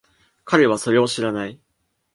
彼はそれを知らない。